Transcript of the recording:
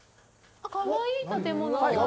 かわいい建物。